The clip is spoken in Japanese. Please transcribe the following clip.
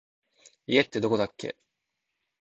家ってどこだっけ